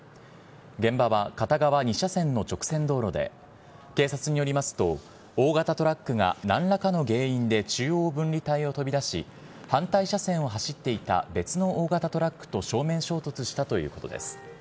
現場は片側２車線の直線道路で、警察によりますと、大型トラックがなんらかの原因で中央分離帯を飛び出し、反対車線を走っていた別の大型トラックと正面衝突したということです。